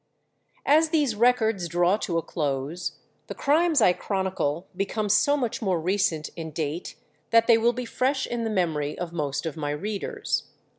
As these records draw to a close, the crimes I chronicle become so much more recent in date that they will be fresh in the memory of most of my readers.